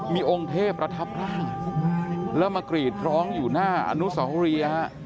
มีองค์เทพประทับร่างแล้วมากรีดร้องอยู่หน้าอนุสวรีฮะ